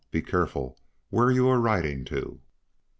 Be careful where you are riding, too."